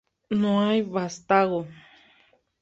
No hay vástago.